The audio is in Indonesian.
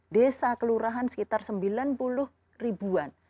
desa kelurahan sekitar sembilan puluh ribuan